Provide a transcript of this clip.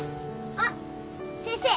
あっ先生。